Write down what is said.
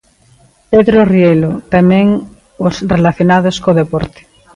Pedro Rielo, tamén os relacionados co deporte.